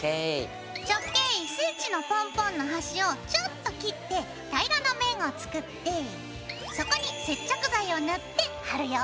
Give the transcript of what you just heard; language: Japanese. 直径１ｃｍのポンポンのはしをちょっと切って平らな面を作ってそこに接着剤を塗って貼るよ。